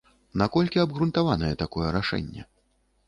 Наколькі абгрунтаванае такое рашэнне?